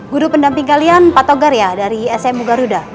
guru pendamping kalian pak togar ya dari smu garuda